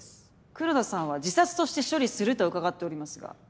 黒田さんは自殺として処理すると伺っておりますが。